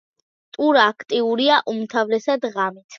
ტურა აქტიურია უმთავრესად ღამით.